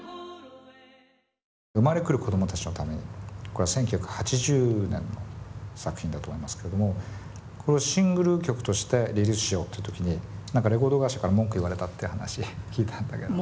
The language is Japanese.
これは１９８０年の作品だと思いますけどもこれをシングル曲としてリリースしようっていう時に何かレコード会社から文句言われたって話聞いたんだけど。